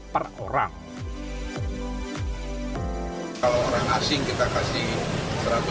kalau orang asing kita kasih rp seratus